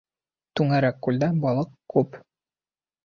Түңәрәк күлдә балыҡ күп.